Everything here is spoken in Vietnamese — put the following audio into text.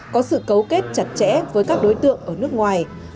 có sự cấu kết chặt chẽ với các đối tượng ở nước ngoài